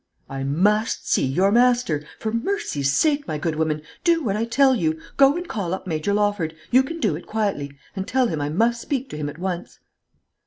"I must see your master. For mercy's sake, my good woman, do what I tell you! Go and call up Major Lawford, you can do it quietly, and tell him I must speak to him at once."